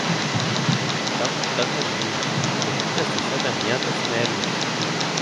T’an botat nerviós e tu t’as deishat amiar des nèrvis.